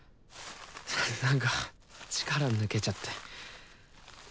なんか力抜けちゃって。